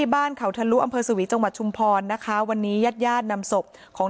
บ้านเขาทะลุอำเภอสวีจังหวัดชุมพรนะคะวันนี้ญาติญาตินำศพของ